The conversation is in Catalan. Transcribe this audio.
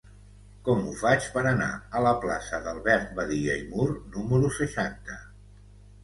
Com ho faig per anar a la plaça d'Albert Badia i Mur número seixanta?